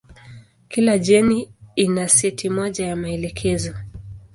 Kila jeni ina seti moja ya maelekezo.